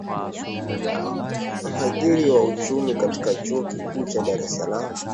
mhadhiri wa uchumi katika chuo kikuu cha dar es salaam